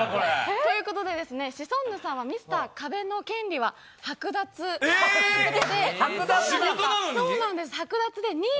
ということで、シソンヌさんはミスター壁の権利ははく奪。えー？